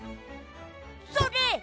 それ！